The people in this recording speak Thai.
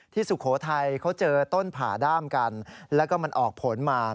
สุโขทัยเขาเจอต้นผ่าด้ามกันแล้วก็มันออกผลมา